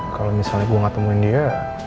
kalau misalnya gue gak temuin dia